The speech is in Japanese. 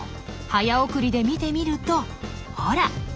早送りで見てみるとほら。